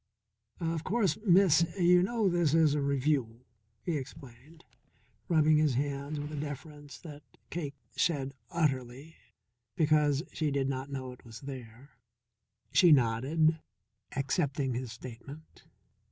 "Of course, Miss, you know this is a Revue," he explained, rubbing his hands with a deference that Cake shed utterly, because she did not know it was there. She nodded, accepting his statement.